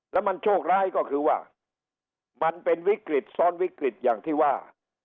แล้วมันโชคร้ายก็คือว่ามันเป็นวิกฤตซ้อนวิกฤตอย่างที่ว่า